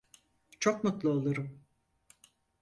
Çok mutlu olurum.